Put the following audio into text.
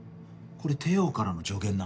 これ帝王からの助言な。